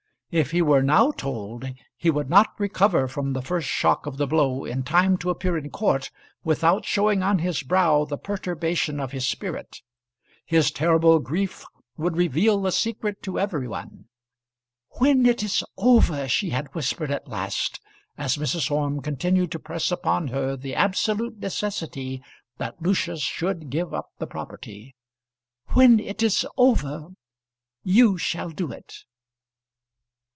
If he were now told, he would not recover from the first shock of the blow in time to appear in court without showing on his brow the perturbation of his spirit. His terrible grief would reveal the secret to every one. "When it is over," she had whispered at last, as Mrs. Orme continued to press upon her the absolute necessity that Lucius should give up the property, "when it is over, you shall do it."